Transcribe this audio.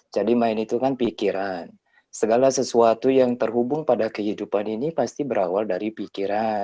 jadi main itu kan pikiran segala sesuatu yang terhubung pada kehidupan ini pasti berawal dari pikiran